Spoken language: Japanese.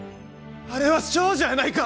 あれは少女やないか！